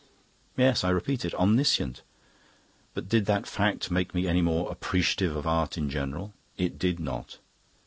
Yes, I repeat it, omniscient. But did that fact make me any more appreciative of art in general? It did not.